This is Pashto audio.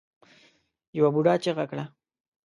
يوه بوډا چيغه کړه.